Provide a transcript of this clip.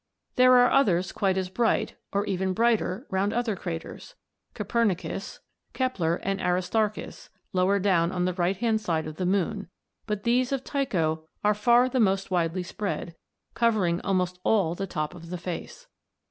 There are others quite as bright, or even brighter, round other craters, Copernicus (Fig. 6), Kepler, and Aristarchus, lower down on the right hand side of the moon; but these of Tycho are far the most widely spread, covering almost all the top of the face.